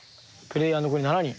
プレイヤー残り７人。